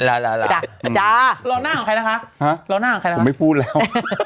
ล่อหน้าของใครนะคะฮะล่อหน้าของใครนะคะผมไม่พูดแล้ว